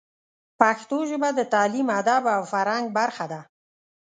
پښتو ژبه د تعلیم، ادب او فرهنګ برخه ده.